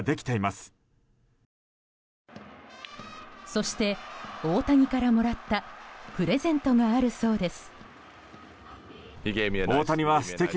そして、大谷からもらったプレゼントがあるそうです。